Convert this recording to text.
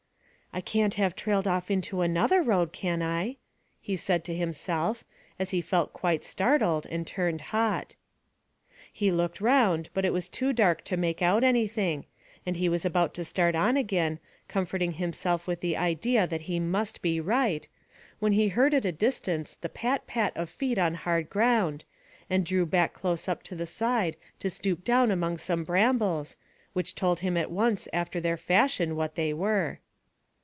"I can't have trailed off into another road, can I?" he said to himself, as he felt quite startled and turned hot. He looked round, but it was too dark to make out anything, and he was about to start on again, comforting himself with the idea that he must be right, when he heard at a distance the pat pat of feet on hard ground, and drew back close up to the side to stoop down among some brambles, which told him at once after their fashion what they were.